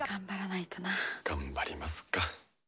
頑張りますか。